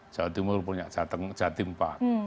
jawa timur punya jatim pak